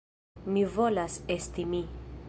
Mi volas esti mi.